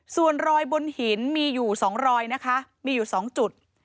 ส่วนรอยบนหินมีอยู่๒รอยนะคะมีอยู่๒จุด